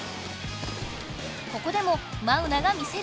ここでもマウナが見せる！